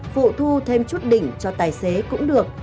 phụ thu thêm chút đỉnh cho tài xế cũng được